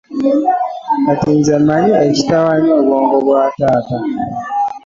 Kati nze manyi ekitawanya obwongo bwa taata.